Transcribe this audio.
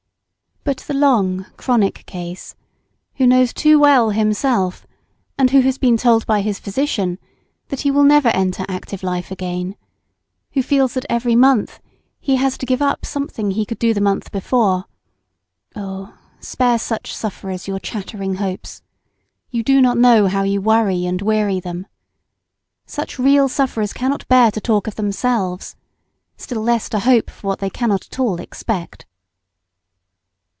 But the long chronic case, who knows too well himself, and who has been told by his physician that he will never enter active life again, who feels that every month he has to give up something he could do the month before oh! spare such sufferers your chattering hopes. You do not know how you worry and weary them. Such real sufferers cannot bear to talk of themselves, still less to hope for what they cannot at all expect.